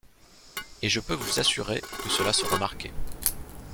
Et je peux vous assurer que cela se remarquait.